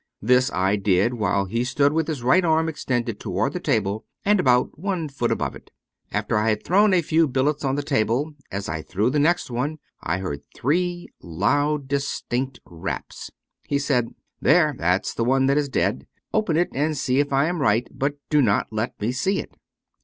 This I did while he stood with his right arm extended toward the table and about one foot above it. After I had thrown a few billets on the table, as I threw the next one, I heard three 252 David P. Abbott loud distinct raps. He said, " There, that's the one that is dead. Open it and see if I am right, but do not let me see it.